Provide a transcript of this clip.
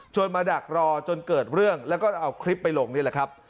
มาดักรอจนเกิดเรื่องแล้วก็เอาคลิปไปลงนี่แหละครับ